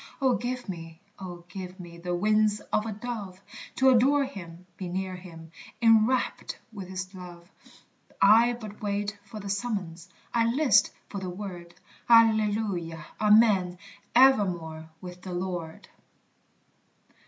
Oh give me, oh give me, the wings of a dove, To adore him be near him enwrapt with his love; I but wait for the summons, I list for the word Alleluia Amen evermore with the Lord!